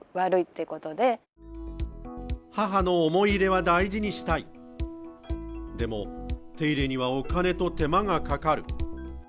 母の思い入れは大事にしたい、でも手入れにはお金と手間がかかる。